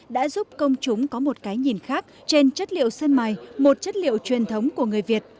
đã giúp công chúng có một cái nhìn khác trên chất liệu sơn mài một chất liệu truyền thống của người việt